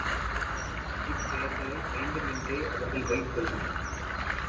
இப் பெயர்களை வேண்டுமென்றே அவர்கள் வைத்துள்ளனர்.